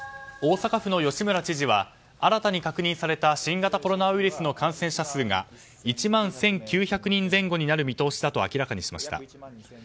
大阪府の吉村知事は新たに確認された新型コロナウイルスの感染者数が１万１９００人前後になる見通しだと明らかにしました。